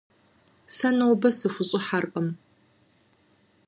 Сэ нобэ сыхущӏыхьэркъым.